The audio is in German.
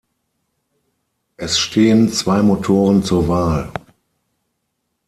Es stehen zwei Motoren zur Wahl.